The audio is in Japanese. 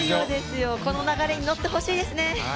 この流れに乗ってほしいですね。